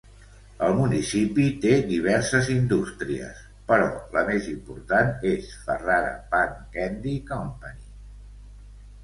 El municipi té diverses indústries, però la més important és Ferrara Pan Candy Company.